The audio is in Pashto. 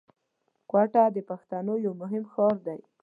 کوټه د پښتنو یو مهم ښار دی